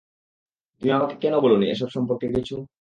তুমি আমাকে কেন বলোনি, এসব সম্পর্কে কিছু?